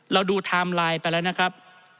เราดูไทม์ไลน์ไปแล้วนะครับ